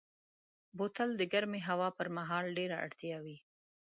بوتل د ګرمې هوا پر مهال ډېره اړتیا وي.